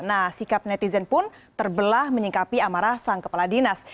nah sikap netizen pun terbelah menyingkapi amarah sang kepala dinas